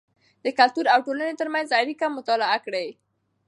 د کلتور او ټولنې ترمنځ اړیکه مطالعه کړئ.